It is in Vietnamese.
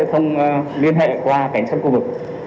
có thể liên hệ qua cảnh sát khu vực